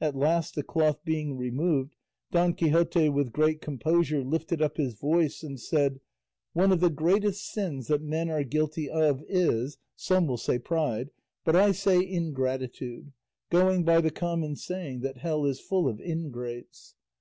At last the cloth being removed, Don Quixote with great composure lifted up his voice and said: "One of the greatest sins that men are guilty of is some will say pride but I say ingratitude, going by the common saying that hell is full of ingrates.